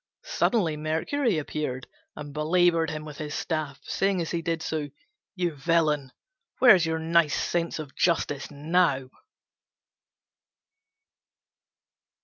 Suddenly Mercury appeared, and belaboured him with his staff, saying as he did so, "You villain, where's your nice sense of justice now?"